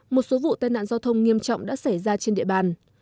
một số vụ tai nạn giao thông nghiêm trọng đã xảy ra trên địa bàn